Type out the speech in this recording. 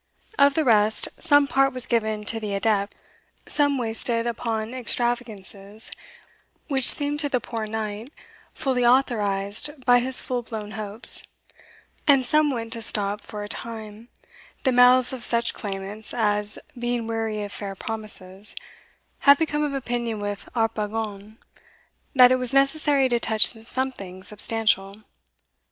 Of the rest, some part was given to the adept, some wasted upon extravagances which seemed to the poor knight fully authorized by his full blown hopes, and some went to stop for a time the mouths of such claimants as, being weary of fair promises, had become of opinion with Harpagon, that it was necessary to touch something substantial.